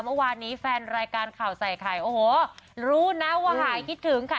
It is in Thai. เมื่อวานนี้แฟนรายการข่าวใส่ไข่โอ้โหรู้นะว่าหายคิดถึงค่ะ